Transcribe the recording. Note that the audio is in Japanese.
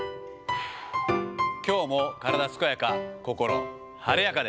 きょうも体健やか、心晴れやかで。